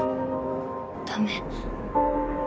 ダメ。